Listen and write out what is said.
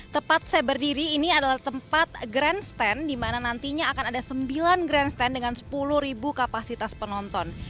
tepat saya berdiri ini adalah tempat grandstand di mana nantinya akan ada sembilan grandstand dengan sepuluh kapasitas penonton